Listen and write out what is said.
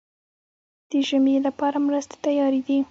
د ژمي لپاره مرستې تیارې دي؟